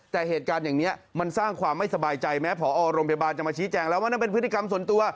แต่เหตุการณ์อย่างนี้มันสร้างความไม่สบายใจแม้ผอโรงพยาบาลจะมาชี้แจงแล้วว่านั่นเป็นพฤติกรรมส่วนตัว